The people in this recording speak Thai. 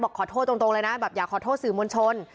บอกขอโทษตรงเลยนะอยากขอโทษสื่อมลชน